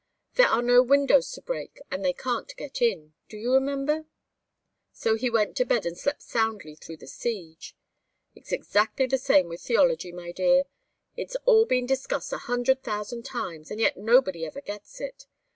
'There are no windows to break, and they can't get in' do you remember? So he went to bed and slept soundly through the siege. It's exactly the same with theology, my dear. It's all been discussed a hundred thousand times, and yet nobody ever gets in.